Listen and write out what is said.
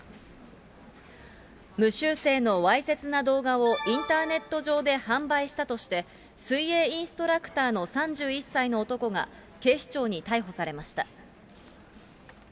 無修正のわいせつな動画をインターネット上で販売したとして、水泳インストラクターの３１歳の男が、警視庁に逮捕されました。